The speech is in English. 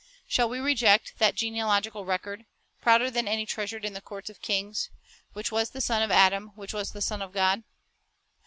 1 Shall we reject that genealogical record, — prouder than any treasured in the courts of kings, — "which was the son of Adam, which was the son of God"?